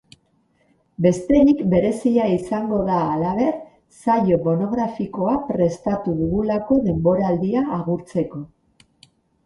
Bestetik, berezia izango da halaber, saio monografikoa prestatu dugulako denboraldia agurtzeko.